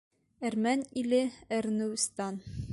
Әрмән иле — әрнеүстан